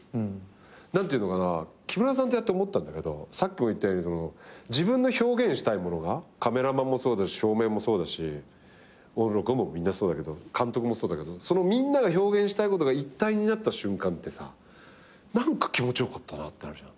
何ていうのかな木村さんとやって思ったんだけどさっきも言ったように自分の表現したいものがカメラマンもそうだし照明もそうだし録音もみんなそうだけど監督もそうだけどそのみんなが表現したいことが一体になった瞬間ってさ何か気持ち良かったなってなるじゃん。